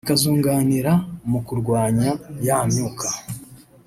bikazunganira mu kurwanya ya myuka